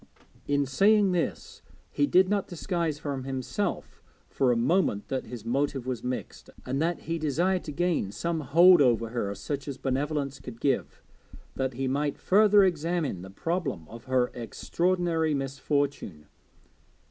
In saying this he did not disguise from himself for a moment that his motive was mixed, and that he desired to gain some hold over her, such as benevolence could give, that he might further examine the problem of her extraordinary misfortune.